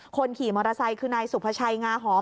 คนขี่มอเตอร์ไซค์คือนายสุภาชัยงาหอม